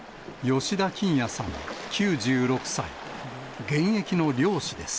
吉田きんやさん９６歳、現役の漁師です。